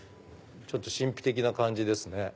ちょっと神秘的な感じですね。